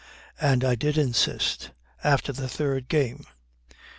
And I did insist, after the third game.